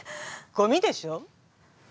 ゴミでしょ？